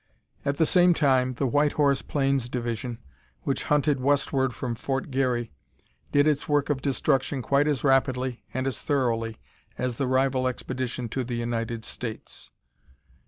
At the same time, the White Horse Plains division, which hunted westward from Fort Garry, did its work of destruction quite as rapidly and as thoroughly as the rival expedition to the United States.